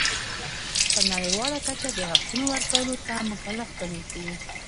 په نړیواله کچه د حقونو ورکولو ته مکلف ګڼل کیږي.